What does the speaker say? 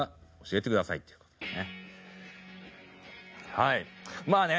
はいまあね。